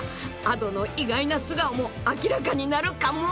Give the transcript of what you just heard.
［Ａｄｏの意外な素顔も明らかになるかも］